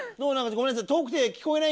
ごめんなさい。